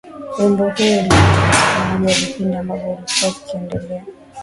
Wimbo huo aliucheza katika moja ya vipindi ambavyo alikuwa akiviendesha